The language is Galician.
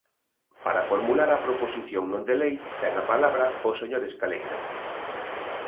Para formular a proposición non de lei ten a palabra o señor Escaleira.